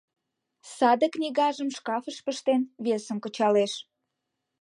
Саде книгажым шкафыш пыштен, весым кычалеш.